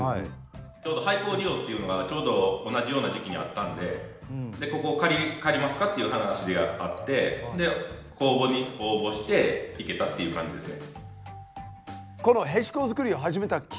ちょうど廃校利用っていうのがちょうど同じような時期にあったんでここを借りますかっていう話があって公募に応募していけたっていう感じですね。